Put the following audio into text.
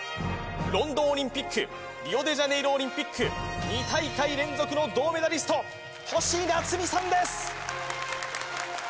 ロンドンオリンピックリオデジャネイロオリンピック２大会連続の銅メダリスト星奈津美さんです